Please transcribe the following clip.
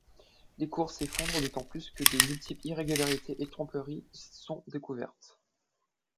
Les cours s'effondrent d'autant plus que de multiples irrégularités et tromperies sont découvertes.